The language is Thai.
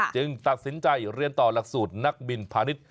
จึงตัดสินใจเรียนต่อหลักสูตรนักบินพาณิชย